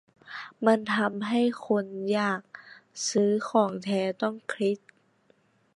มันทำใหึ้คนอยากซื้อของแท้ต้องคิด